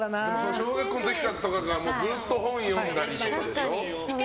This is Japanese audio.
小学校の時とかからずっと本読んだりしてたでしょ。